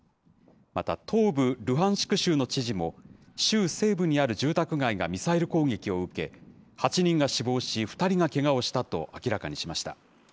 また東部ルハンシク州の知事も、州西部にある住宅街がミサイル攻撃を受け、８人が死亡し、２人がけがをしたと明らかにしました。